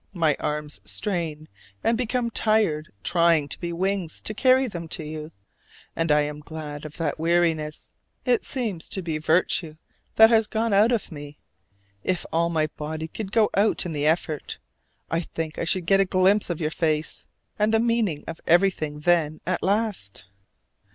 My arms strain and become tired trying to be wings to carry them to you: and I am glad of that weariness it seems to be some virtue that has gone out of me. If all my body could go out in the effort, I think I should get a glimpse of your face, and the meaning of everything then at last.